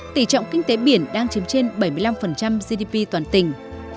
tỷ trọng kinh tế biển đang chiếm trên bảy mươi năm gdp toàn tỉnh